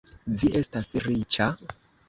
Vi estas riĉa?